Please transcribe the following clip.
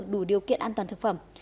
đủ điều kiện an toàn thực phẩm